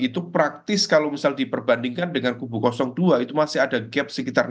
itu praktis kalau misal diperbandingkan dengan kubu dua itu masih ada gap sekitar